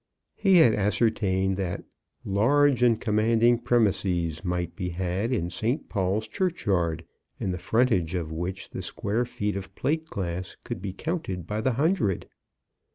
He had ascertained that large and commanding premises might be had in St. Paul's Churchyard, in the frontage of which the square feet of plate glass could be counted by the hundred.